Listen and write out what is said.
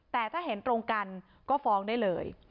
แต่ถ้าเห็นตรงกันก็ฟ้องได้เลย